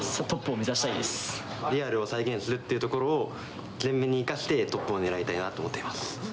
リアルを再現するっていうところを、前面に生かして、トップを狙いたいなと思ってます。